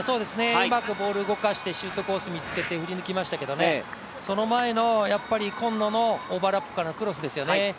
うまくボールを動かして、シュートコース見つけて振り抜きましたけどね、その前の今野のオーバーラップからのクロスですよね。